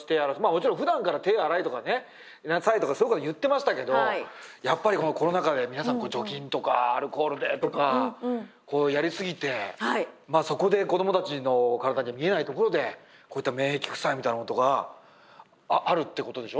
もちろんふだんから手を洗えとかねそういうこと言ってましたけどやっぱりこのコロナ禍で皆さん除菌とかアルコールでとかこうやり過ぎてそこで子どもたちの体に見えないところでこういった免疫負債みたいなことがあるってことでしょ。